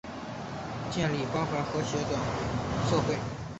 建立关怀温馨的社会